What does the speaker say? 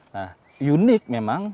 nah unik memang